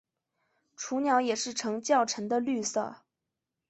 雏鸟也是呈较沉的绿色。